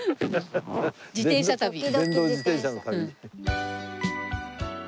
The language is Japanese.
「自転車旅」。